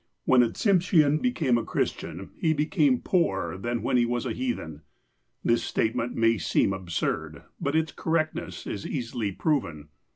When a Tsimshean became a Christian, he became poorer than when he was a heathen. This statement may seem absurd, but its correctness is easily proven.